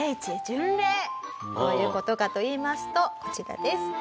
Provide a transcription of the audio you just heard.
どういう事かといいますとこちらです。